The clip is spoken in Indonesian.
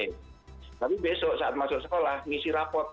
tapi besok saat masuk sekolah ngisi raport